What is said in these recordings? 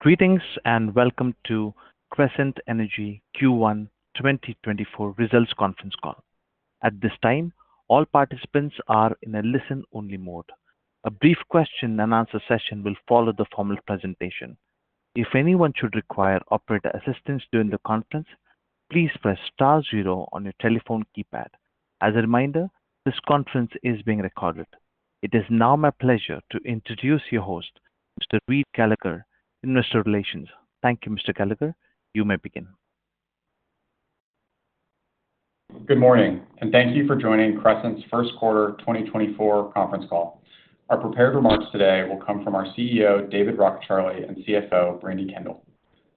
Greetings, and welcome to Crescent Energy Q1 2024 Results Conference Call. At this time, all participants are in a listen-only mode. A brief question and answer session will follow the formal presentation. If anyone should require operator assistance during the conference, please press star zero on your telephone keypad. As a reminder, this conference is being recorded. It is now my pleasure to introduce your host, Mr. Reid Gallagher, Investor Relations. Thank you, Mr. Gallagher. You may begin. Good morning, and thank you for joining Crescent's first quarter 2024 conference call. Our prepared remarks today will come from our CEO, David Rockecharlie, and CFO, Brandi Kendall.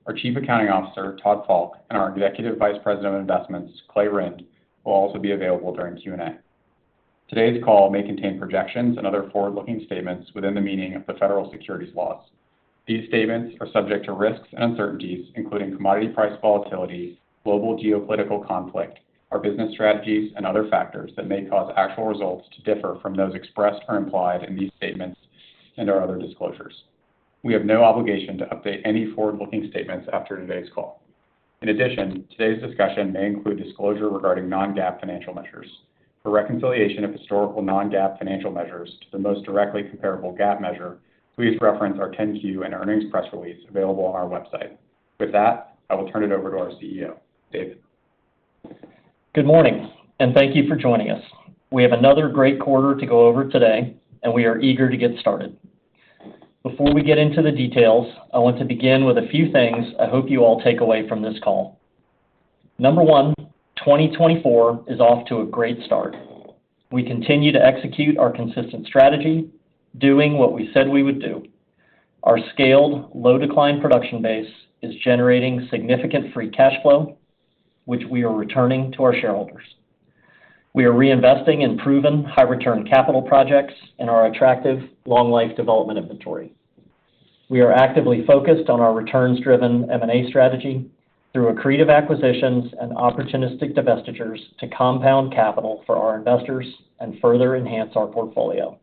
Our Chief Accounting Officer, Todd Falk, and our Executive Vice President of Investments, Clay Rynd, will also be available during Q&A. Today's call may contain projections and other forward-looking statements within the meaning of the federal securities laws. These statements are subject to risks and uncertainties, including commodity price volatility, global geopolitical conflict, our business strategies, and other factors that may cause actual results to differ from those expressed or implied in these statements and our other disclosures. We have no obligation to update any forward-looking statements after today's call. In addition, today's discussion may include disclosure regarding non-GAAP financial measures. For reconciliation of historical non-GAAP financial measures to the most directly comparable GAAP measure, please reference our 10-Q and earnings press release available on our website. With that, I will turn it over to our CEO. David? Good morning, and thank you for joining us. We have another great quarter to go over today, and we are eager to get started. Before we get into the details, I want to begin with a few things I hope you all take away from this call. Number one, 2024 is off to a great start. We continue to execute our consistent strategy, doing what we said we would do. Our scaled, low-decline production base is generating significant free cash flow, which we are returning to our shareholders. We are reinvesting in proven, high-return capital projects and our attractive long-life development inventory. We are actively focused on our returns-driven M&A strategy through accretive acquisitions and opportunistic divestitures to compound capital for our investors and further enhance our portfolio.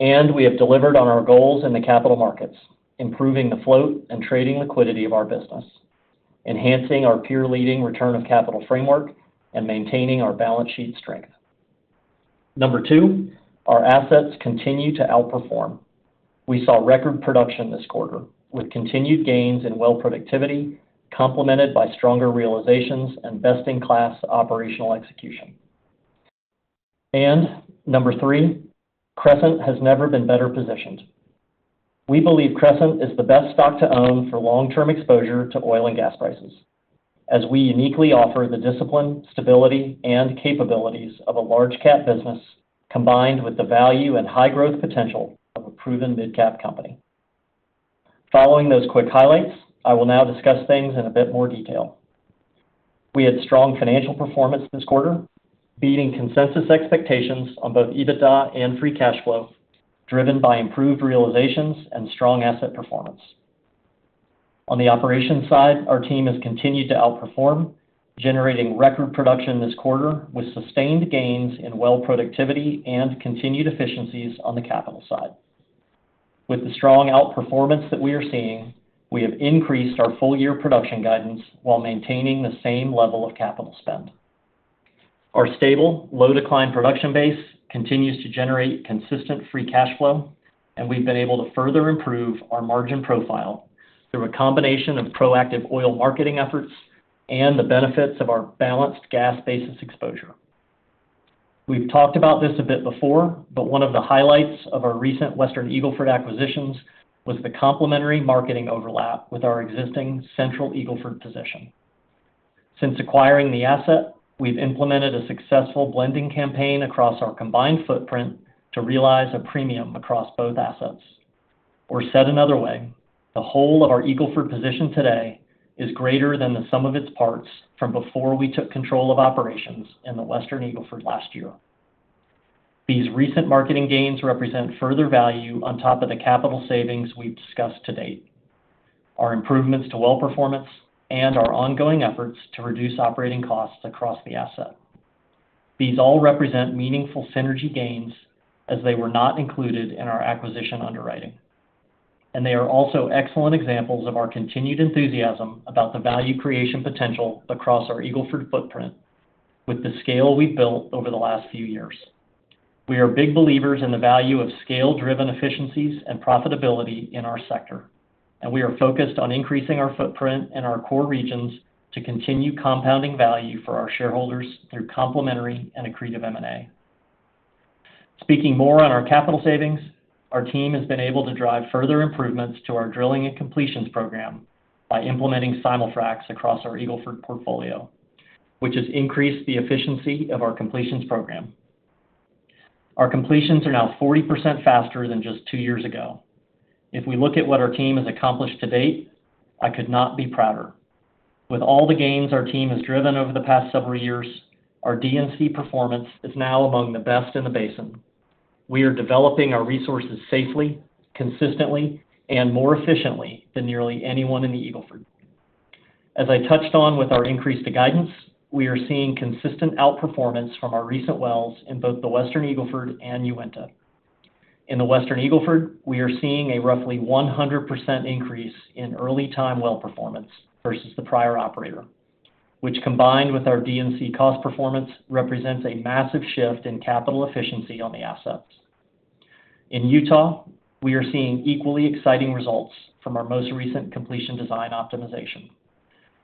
We have delivered on our goals in the capital markets, improving the float and trading liquidity of our business, enhancing our peer-leading return of capital framework, and maintaining our balance sheet strength. Number two, our assets continue to outperform. We saw record production this quarter, with continued gains in well productivity, complemented by stronger realizations and best-in-class operational execution. And number three, Crescent has never been better positioned. We believe Crescent is the best stock to own for long-term exposure to oil and gas prices, as we uniquely offer the discipline, stability, and capabilities of a large cap business, combined with the value and high growth potential of a proven midcap company. Following those quick highlights, I will now discuss things in a bit more detail. We had strong financial performance this quarter, beating consensus expectations on both EBITDA and free cash flow, driven by improved realizations and strong asset performance. On the operations side, our team has continued to outperform, generating record production this quarter, with sustained gains in well productivity and continued efficiencies on the capital side. With the strong outperformance that we are seeing, we have increased our full-year production guidance while maintaining the same level of capital spend. Our stable, low-decline production base continues to generate consistent free cash flow, and we've been able to further improve our margin profile through a combination of proactive oil marketing efforts and the benefits of our balanced gas basis exposure. We've talked about this a bit before, but one of the highlights of our recent Western Eagle Ford acquisitions was the complementary marketing overlap with our existing Central Eagle Ford position. Since acquiring the asset, we've implemented a successful blending campaign across our combined footprint to realize a premium across both assets. Or said another way, the whole of our Eagle Ford position today is greater than the sum of its parts from before we took control of operations in the Western Eagle Ford last year. These recent marketing gains represent further value on top of the capital savings we've discussed to date, our improvements to well performance, and our ongoing efforts to reduce operating costs across the asset. These all represent meaningful synergy gains, as they were not included in our acquisition underwriting, and they are also excellent examples of our continued enthusiasm about the value creation potential across our Eagle Ford footprint with the scale we've built over the last few years. We are big believers in the value of scale-driven efficiencies and profitability in our sector, and we are focused on increasing our footprint in our core regions to continue compounding value for our shareholders through complementary and accretive M&A. Speaking more on our capital savings, our team has been able to drive further improvements to our drilling and completions program by implementing simul-fracs across our Eagle Ford portfolio, which has increased the efficiency of our completions program. Our completions are now 40% faster than just two years ago. If we look at what our team has accomplished to date, I could not be prouder. With all the gains our team has driven over the past several years, our D&C performance is now among the best in the basin. We are developing our resources safely, consistently, and more efficiently than nearly anyone in the Eagle Ford. As I touched on with our increase to guidance, we are seeing consistent outperformance from our recent wells in both the Western Eagle Ford and Uinta. In the Western Eagle Ford, we are seeing a roughly 100% increase in early time well performance versus the prior operator, which, combined with our D&C cost performance, represents a massive shift in capital efficiency on the assets. In Utah, we are seeing equally exciting results from our most recent completion design optimization.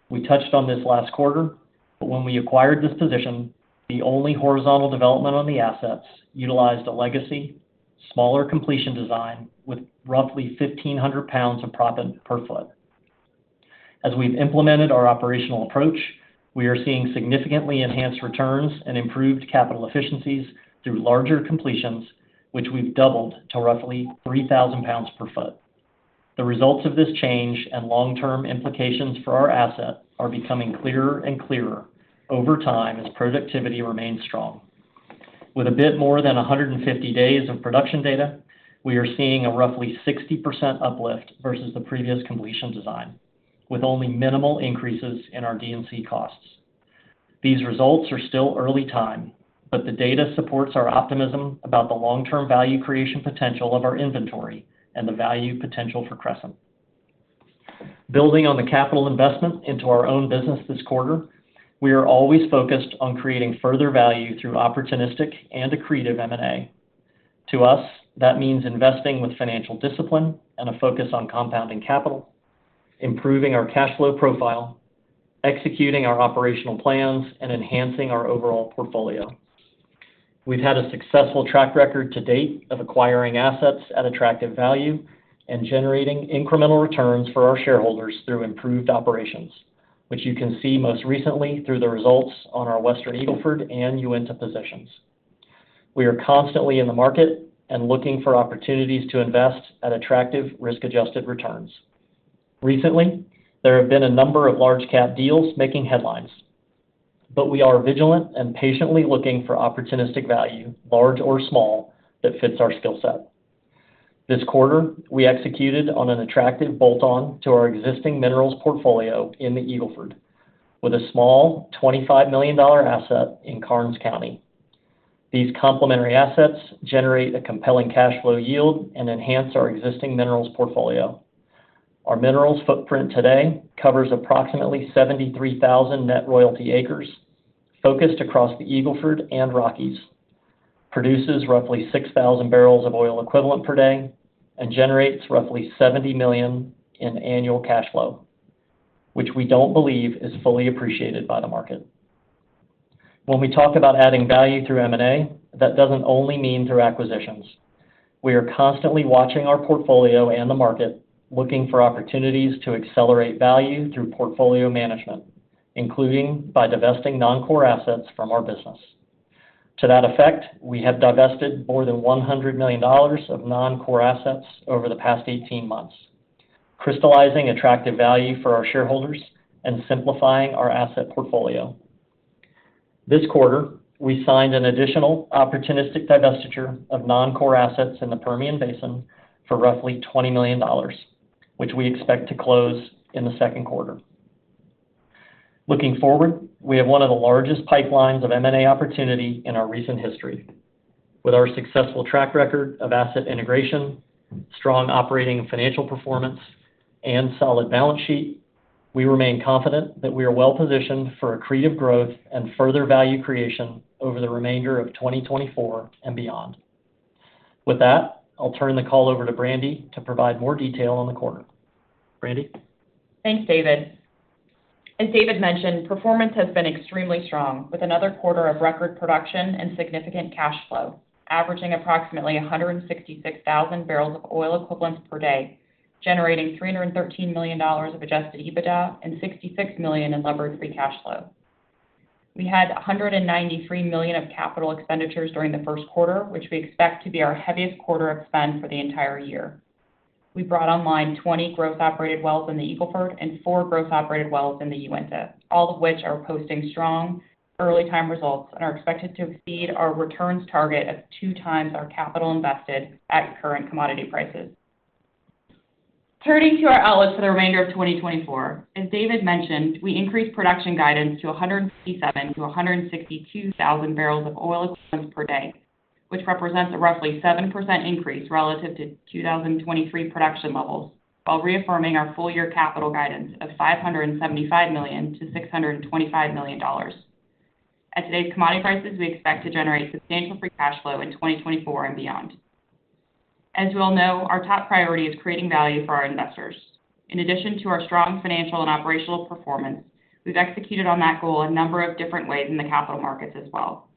We touched on this last quarter, but when we acquired this position, the only horizontal development on the assets utilized a legacy, smaller completion design with roughly 1,500 pounds of proppant per foot. As we've implemented our operational approach, we are seeing significantly enhanced returns and improved capital efficiencies through larger completions, which we've doubled to roughly 3,000 lb/ft. The results of this change and long-term implications for our asset are becoming clearer and clearer over time as productivity remains strong. With a bit more than 150 days of production data, we are seeing a roughly 60% uplift versus the previous completion design, with only minimal increases in our D&C costs. These results are still early time, but the data supports our optimism about the long-term value creation potential of our inventory and the value potential for Crescent. Building on the capital investment into our own business this quarter, we are always focused on creating further value through opportunistic and accretive M&A. To us, that means investing with financial discipline and a focus on compounding capital, improving our cash flow profile, executing our operational plans, and enhancing our overall portfolio. We've had a successful track record to date of acquiring assets at attractive value and generating incremental returns for our shareholders through improved operations, which you can see most recently through the results on our Western Eagle Ford and Uinta positions. We are constantly in the market and looking for opportunities to invest at attractive risk-adjusted returns. Recently, there have been a number of large cap deals making headlines, but we are vigilant and patiently looking for opportunistic value, large or small, that fits our skill set. This quarter, we executed on an attractive bolt-on to our existing minerals portfolio in the Eagle Ford with a small $25 million asset in Karnes County. These complementary assets generate a compelling cash flow yield and enhance our existing minerals portfolio. Our minerals footprint today covers approximately 73,000 net royalty acres, focused across the Eagle Ford and Rockies, produces roughly 6,000 barrels of oil equivalent per day, and generates roughly $70 million in annual cash flow, which we don't believe is fully appreciated by the market. When we talk about adding value through M&A, that doesn't only mean through acquisitions. We are constantly watching our portfolio and the market, looking for opportunities to accelerate value through portfolio management, including by divesting non-core assets from our business. To that effect, we have divested more than $100 million of non-core assets over the past 18 months, crystallizing attractive value for our shareholders and simplifying our asset portfolio. This quarter, we signed an additional opportunistic divestiture of non-core assets in the Permian Basin for roughly $20 million, which we expect to close in the second quarter. Looking forward, we have one of the largest pipelines of M&A opportunity in our recent history. With our successful track record of asset integration, strong operating and financial performance, and solid balance sheet, we remain confident that we are well positioned for accretive growth and further value creation over the remainder of 2024 and beyond. With that, I'll turn the call over to Brandi to provide more detail on the quarter. Brandi? Thanks, David. As David mentioned, performance has been extremely strong, with another quarter of record production and significant cash flow, averaging approximately 166,000 barrels of oil equivalents per day, generating $313 million of adjusted EBITDA and $66 million in levered free cash flow. We had $193 million of capital expenditures during the first quarter, which we expect to be our heaviest quarter of spend for the entire year. We brought online 20 gross operated wells in the Eagle Ford and four gross operated wells in the Uinta, all of which are posting strong early time results and are expected to exceed our returns target of 2x our capital invested at current commodity prices. Turning to our outlook for the remainder of 2024, as David mentioned, we increased production guidance to 162,000 barrels-167,000 barrels of oil equivalent per day, which represents a roughly 7% increase relative to 2023 production levels, while reaffirming our full-year capital guidance of $575 million-$625 million. At today's commodity prices, we expect to generate substantial free cash flow in 2024 and beyond. As you all know, our top priority is creating value for our investors. In addition to our strong financial and operational performance, we've executed on that goal a number of different ways in the capital markets as well.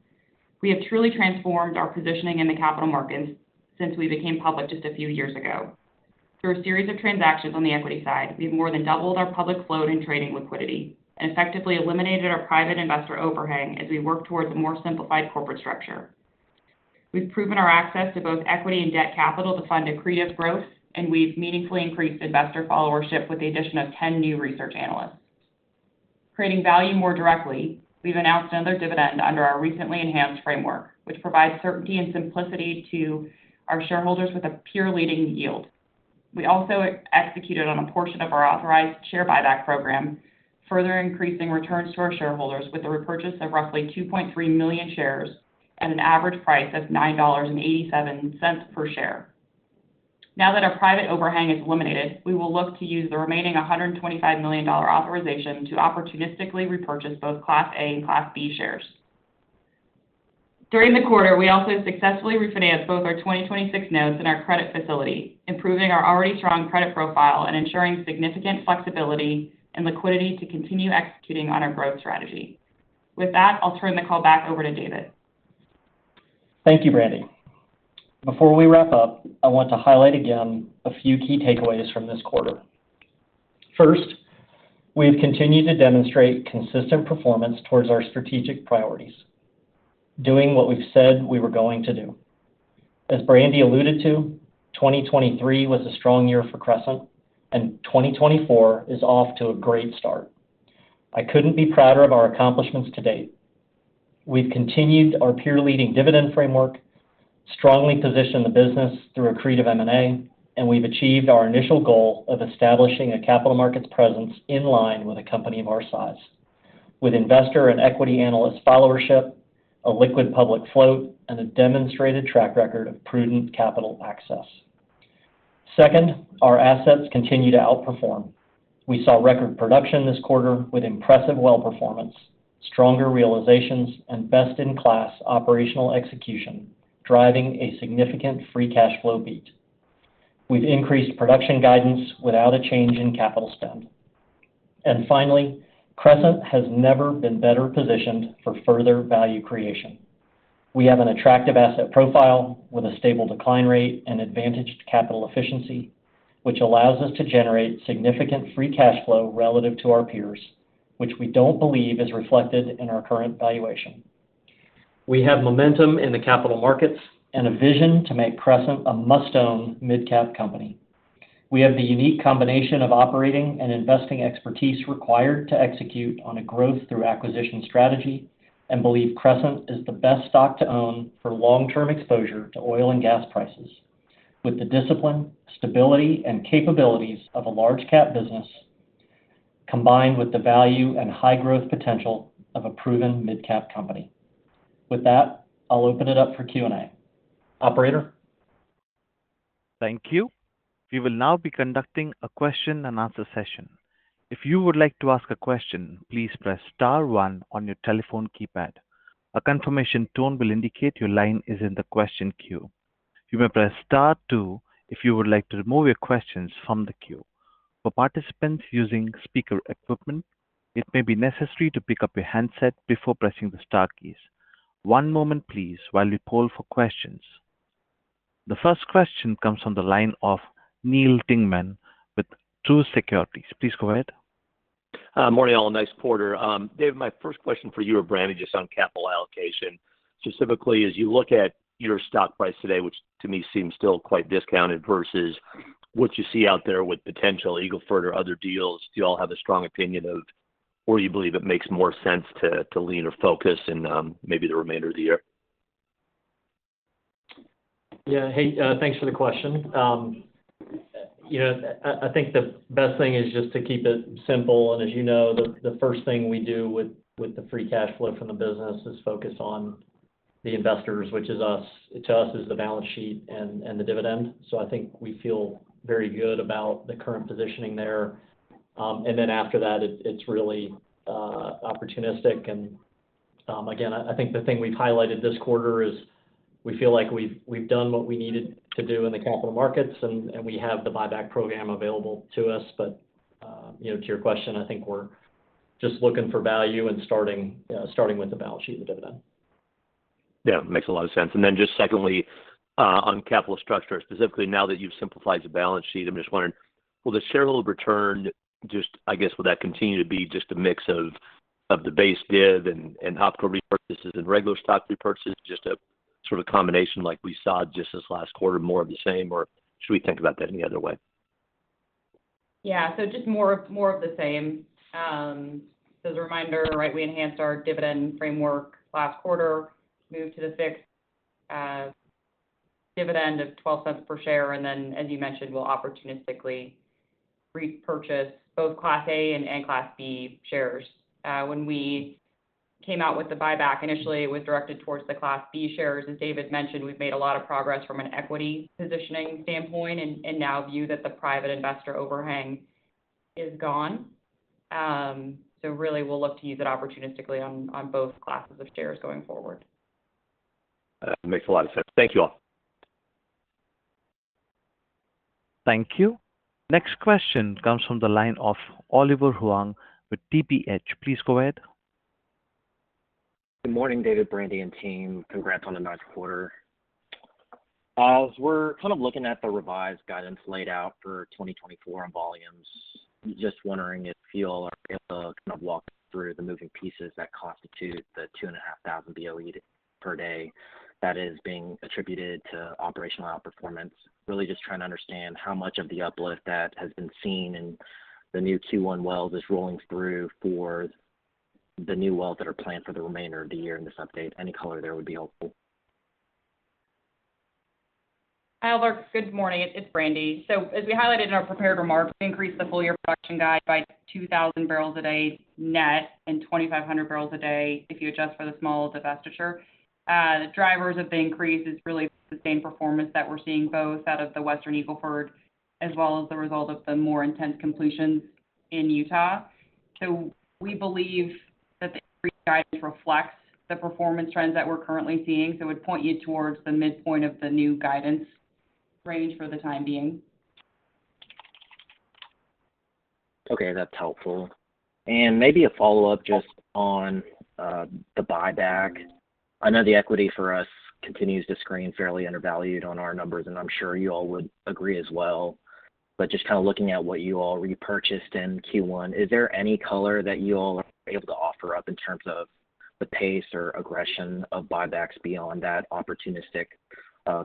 We have truly transformed our positioning in the capital markets since we became public just a few years ago. Through a series of transactions on the equity side, we've more than doubled our public float and trading liquidity and effectively eliminated our private investor overhang as we work towards a more simplified corporate structure. We've proven our access to both equity and debt capital to fund accretive growth, and we've meaningfully increased investor followership with the addition of 10 new research analysts... creating value more directly, we've announced another dividend under our recently enhanced framework, which provides certainty and simplicity to our shareholders with a peer-leading yield. We also executed on a portion of our authorized share buyback program, further increasing returns to our shareholders with the repurchase of roughly 2.3 million shares at an average price of $9.87 per share. Now that our private overhang is eliminated, we will look to use the remaining $125 million authorization to opportunistically repurchase both Class A and Class B shares. During the quarter, we also successfully refinanced both our 2026 notes and our credit facility, improving our already strong credit profile and ensuring significant flexibility and liquidity to continue executing on our growth strategy. With that, I'll turn the call back over to David. Thank you, Brandi. Before we wrap up, I want to highlight again a few key takeaways from this quarter. First, we have continued to demonstrate consistent performance towards our strategic priorities, doing what we've said we were going to do. As Brandi alluded to, 2023 was a strong year for Crescent, and 2024 is off to a great start. I couldn't be prouder of our accomplishments to date. We've continued our peer-leading dividend framework, strongly positioned the business through accretive M&A, and we've achieved our initial goal of establishing a capital markets presence in line with a company of our size, with investor and equity analyst followership, a liquid public float, and a demonstrated track record of prudent capital access. Second, our assets continue to outperform. We saw record production this quarter with impressive well performance, stronger realizations, and best-in-class operational execution, driving a significant free cash flow beat. We've increased production guidance without a change in capital spend. Finally, Crescent has never been better positioned for further value creation. We have an attractive asset profile with a stable decline rate and advantaged capital efficiency, which allows us to generate significant free cash flow relative to our peers, which we don't believe is reflected in our current valuation. We have momentum in the capital markets and a vision to make Crescent a must-own midcap company. We have the unique combination of operating and investing expertise required to execute on a growth through acquisition strategy, and believe Crescent is the best stock to own for long-term exposure to oil and gas prices, with the discipline, stability, and capabilities of a large cap business, combined with the value and high growth potential of a proven midcap company. With that, I'll open it up for Q&A. Operator? Thank you. We will now be conducting a question-and-answer session. If you would like to ask a question, please press star one on your telephone keypad. A confirmation tone will indicate your line is in the question queue. You may press star two if you would like to remove your questions from the queue. For participants using speaker equipment, it may be necessary to pick up your handset before pressing the star keys. One moment, please, while we poll for questions. The first question comes from the line of Neal Dingmann with Truist Securities. Please go ahead. Morning, all. Nice quarter. David, my first question for you or Brandi, just on capital allocation. Specifically, as you look at your stock price today, which to me seems still quite discounted versus what you see out there with potential Eagle Ford or other deals, do you all have a strong opinion of where you believe it makes more sense to lean or focus in, maybe the remainder of the year? Yeah. Hey, thanks for the question. You know, I think the best thing is just to keep it simple. And as you know, the first thing we do with the free cash flow from the business is focus on the investors, which is us. To us, is the balance sheet and the dividend. So I think we feel very good about the current positioning there. And then after that, it's really opportunistic. And again, I think the thing we've highlighted this quarter is we feel like we've done what we needed to do in the capital markets, and we have the buyback program available to us. But you know, to your question, I think we're just looking for value and starting with the balance sheet and the dividend. Yeah, makes a lot of sense. And then just secondly, on capital structure, specifically, now that you've simplified the balance sheet, I'm just wondering, will the shareholder return just—I guess, will that continue to be just a mix of, of the base div and, and optimal repurchases and regular stock repurchases, just a sort of combination like we saw just this last quarter, more of the same, or should we think about that any other way? Yeah. So just more, more of the same. As a reminder, right, we enhanced our dividend framework last quarter, moved to the sixth dividend of $0.12 per share, and then, as you mentioned, we'll opportunistically repurchase both Class A and, and Class B shares. When we came out with the buyback, initially, it was directed towards the Class B shares. As David mentioned, we've made a lot of progress from an equity positioning standpoint and, and now view that the private investor overhang is gone. So really, we'll look to use it opportunistically on, on both classes of shares going forward. That makes a lot of sense. Thank you all. Thank you. Next question comes from the line of Oliver Huang with TPH. Please go ahead. Good morning, David, Brandi, and team. Congrats on the nice quarter. As we're kind of looking at the revised guidance laid out for 2024 on volumes, just wondering if you all are able to kind of walk through the moving pieces that constitute the 2,500 BOE per day that is being attributed to operational outperformance. Really just trying to understand how much of the uplift that has been seen in the new Q1 wells is rolling through the new wells that are planned for the remainder of the year in this update, any color there would be helpful. Hi, Albert. Good morning, it's Brandi. So as we highlighted in our prepared remarks, we increased the full year production guide by 2,000 barrels a day net, and 2,500 barrels a day if you adjust for the small divestiture. The drivers of the increase is really the same performance that we're seeing both out of the Western Eagle Ford, as well as the result of the more intense completions in Utah. So we believe that the increase guide reflects the performance trends that we're currently seeing, so would point you towards the midpoint of the new guidance range for the time being. Okay, that's helpful. Maybe a follow-up just on the buyback. I know the equity for us continues to screen fairly undervalued on our numbers, and I'm sure you all would agree as well. But just kind of looking at what you all repurchased in Q1, is there any color that you all are able to offer up in terms of the pace or aggression of buybacks beyond that opportunistic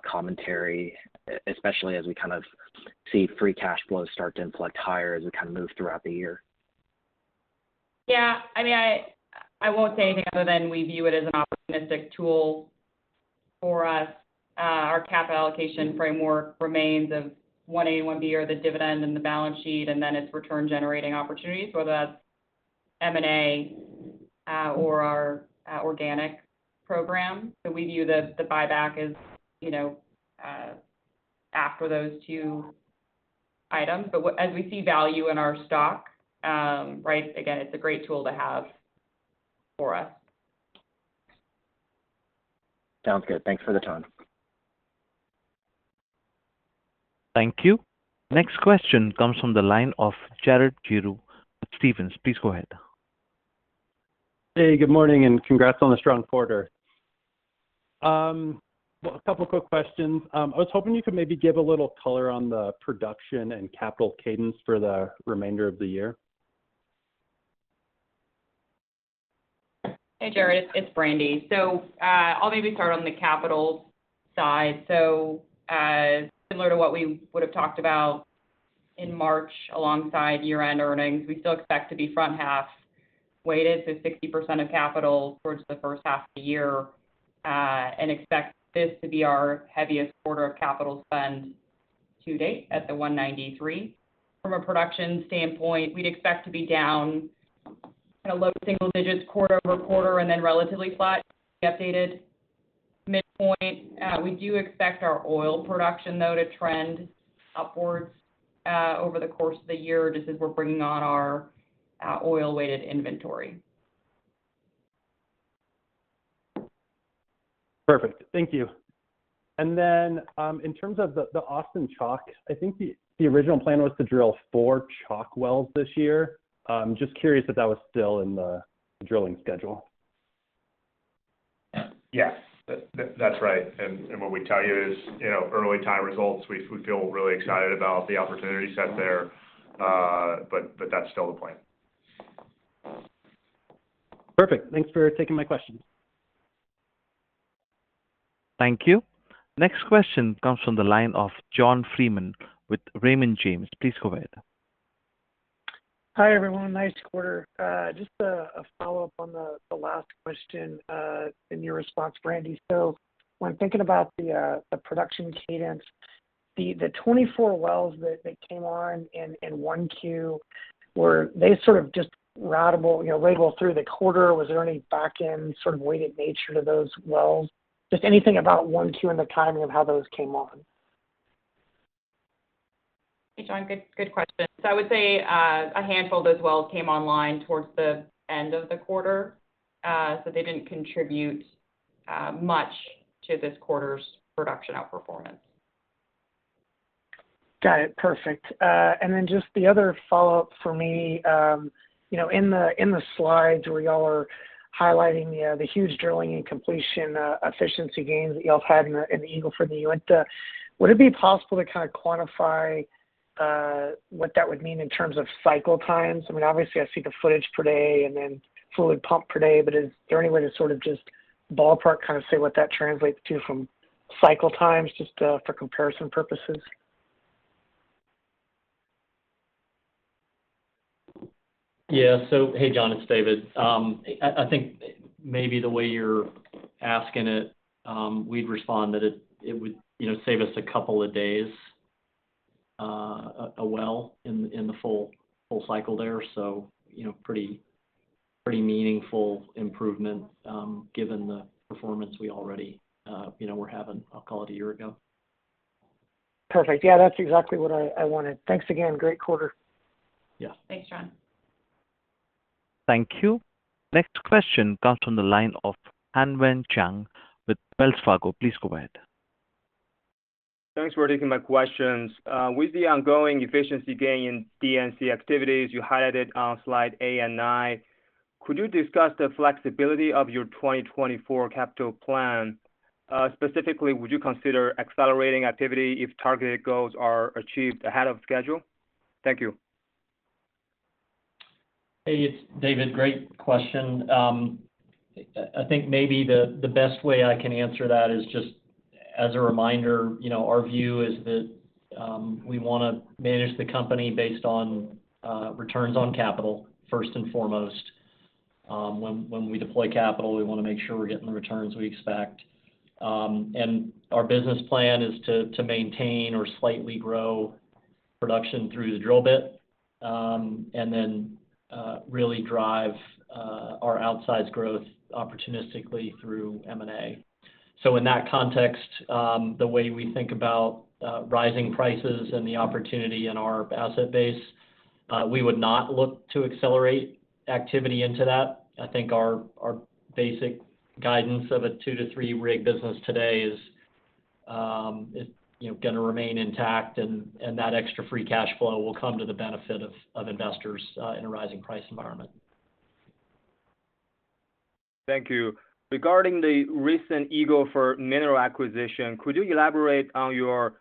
commentary, especially as we kind of see free cash flows start to inflect higher as we kind of move throughout the year? Yeah, I mean, I won't say anything other than we view it as an opportunistic tool for us. Our capital allocation framework remains of One A and One B, or the dividend and the balance sheet, and then it's return-generating opportunities, whether that's M&A, or our organic program. So we view the buyback as, you know, after those two items. But as we see value in our stock, right, again, it's a great tool to have for us. Sounds good. Thanks for the time. Thank you. Next question comes from the line of Jared Girouard with Stephens. Please go ahead. Hey, good morning, and congrats on the strong quarter. Well, a couple of quick questions. I was hoping you could maybe give a little color on the production and capital cadence for the remainder of the year. Hey, Jared, it's Brandi. So, I'll maybe start on the capital side. So, similar to what we would have talked about in March alongside year-end earnings, we still expect to be front-half weighted, so 60% of capital towards the first half of the year, and expect this to be our heaviest quarter of capital spend to date at the $193 million. From a production standpoint, we'd expect to be down in a low single digits quarter-over-quarter and then relatively flat, the updated midpoint. We do expect our oil production, though, to trend upwards, over the course of the year, just as we're bringing on our oil-weighted inventory. Perfect. Thank you. And then, in terms of the Austin Chalk, I think the original plan was to drill four Chalk wells this year. Just curious if that was still in the drilling schedule? Yes, that's right. And what we'd tell you is, you know, early time results, we feel really excited about the opportunity set there, but that's still the plan. Perfect. Thanks for taking my questions. Thank you. Next question comes from the line of John Freeman with Raymond James. Please go ahead. Hi, everyone. Nice quarter. Just a follow-up on the last question and your response, Brandi. So when thinking about the production cadence, the 24 wells that came on in 1Q, were they sort of just ratable, you know, right well through the quarter, or was there any back-end sort of weighted nature to those wells? Just anything about 1Q and the timing of how those came on. Hey, John, good, good question. So I would say, a handful of those wells came online toward the end of the quarter, so they didn't contribute much to this quarter's production outperformance. Got it. Perfect. Then just the other follow-up for me, you know, in the slides where y'all are highlighting the huge drilling and completion efficiency gains that y'all have in the Eagle Ford and Uinta, would it be possible to kind of quantify what that would mean in terms of cycle times? I mean, obviously, I see the footage per day and then fluid pump per day, but is there any way to sort of just ballpark, kind of say what that translates to from cycle times, just for comparison purposes? Yeah. So, hey, John, it's David. I think maybe the way you're asking it, we'd respond that it would, you know, save us a couple of days a well in the full cycle there. So, you know, pretty meaningful improvement, given the performance we already, you know, were having, I'll call it a year ago. Perfect. Yeah, that's exactly what I, I wanted. Thanks again. Great quarter. Yeah. Thanks, John. Thank you. Next question comes from the line of Hanwen Chang with Wells Fargo. Please go ahead. Thanks for taking my questions. With the ongoing efficiency gain in D&C activities, you highlighted on slide eight and nine, could you discuss the flexibility of your 2024 capital plan? Specifically, would you consider accelerating activity if targeted goals are achieved ahead of schedule? Thank you. Hey, it's David. Great question.... I think maybe the best way I can answer that is just as a reminder, you know, our view is that, we wanna manage the company based on, returns on capital, first and foremost. When we deploy capital, we wanna make sure we're getting the returns we expect. And our business plan is to, maintain or slightly grow production through the drill bit, and then, really drive, our outsized growth opportunistically through M&A. So in that context, the way we think about, rising prices and the opportunity in our asset base, we would not look to accelerate activity into that. I think our basic guidance of a two to three rig business today is, you know, gonna remain intact, and that extra free cash flow will come to the benefit of investors in a rising price environment. Thank you. Regarding the recent Eagle Ford mineral acquisition, could you elaborate on your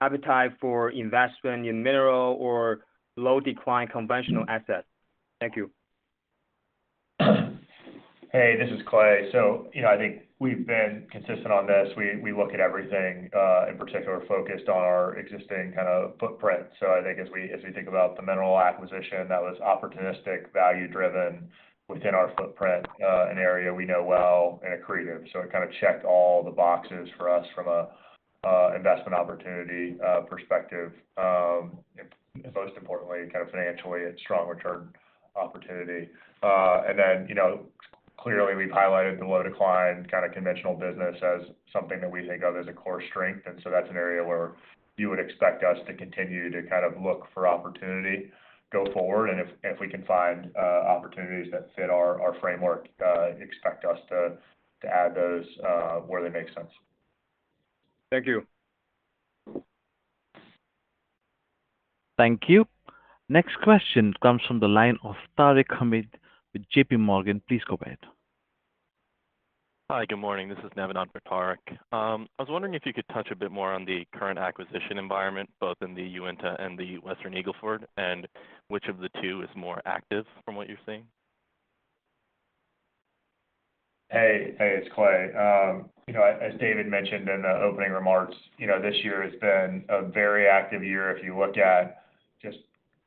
appetite for investment in mineral or low-decline conventional assets? Thank you. Hey, this is Clay. So, you know, I think we've been consistent on this. We look at everything, in particular, focused on our existing kind of footprint. So I think as we think about the mineral acquisition, that was opportunistic, value-driven within our footprint, an area we know well and accretive. So it kind of checked all the boxes for us from a investment opportunity perspective. And most importantly, kind of financially, a strong return opportunity. And then, you know, clearly, we've highlighted the low decline, kind of conventional business as something that we think of as a core strength, and so that's an area where you would expect us to continue to kind of look for opportunity go forward. And if we can find opportunities that fit our framework, expect us to add those where they make sense. Thank you. Thank you. Next question comes from the line of Tarek Hamid with J.P. Morgan. Please go ahead. Hi, good morning. This is Navid Anwar for Tarek. I was wondering if you could touch a bit more on the current acquisition environment, both in the Uinta and the Western Eagle Ford, and which of the two is more active from what you're seeing? Hey, hey, it's Clay. You know, as David mentioned in the opening remarks, you know, this year has been a very active year if you look at just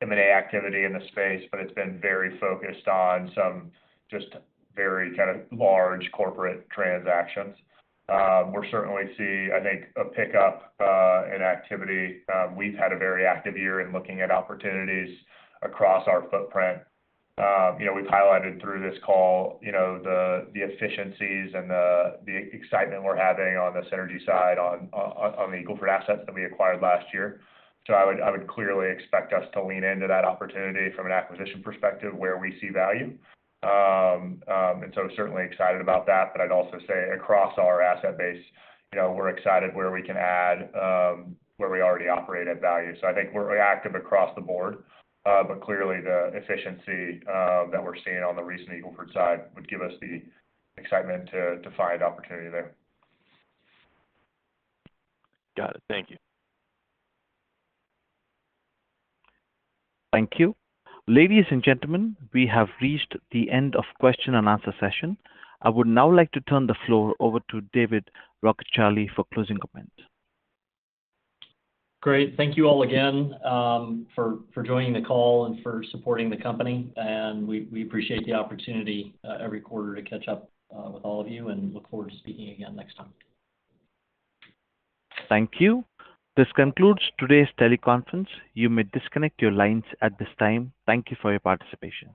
M&A activity in the space, but it's been very focused on some just very kind of large corporate transactions. We're certainly seeing, I think, a pickup in activity. We've had a very active year in looking at opportunities across our footprint. You know, we've highlighted through this call, you know, the efficiencies and the excitement we're having on the synergy side on the Eagle Ford assets that we acquired last year. So I would clearly expect us to lean into that opportunity from an acquisition perspective where we see value. and so certainly excited about that, but I'd also say across our asset base, you know, we're excited where we can add where we already operate at value. So I think we're active across the board, but clearly, the efficiency that we're seeing on the recent Eagle Ford side would give us the excitement to find opportunity there. Got it. Thank you. Thank you. Ladies and gentlemen, we have reached the end of question and answer session. I would now like to turn the floor over to David Rockecharlie for closing comments. Great. Thank you all again for joining the call and for supporting the company. We appreciate the opportunity every quarter to catch up with all of you, and look forward to speaking again next time. Thank you. This concludes today's teleconference. You may disconnect your lines at this time. Thank you for your participation.